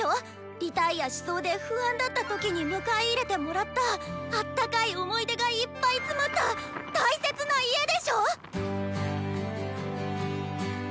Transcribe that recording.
リタイアしそうで不安だった時に迎え入れてもらったあったかい思い出がいっぱい詰まった大切な家でしょ